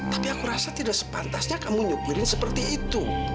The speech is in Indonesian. tapi aku rasa tidak sepantasnya kamu nyupirin seperti itu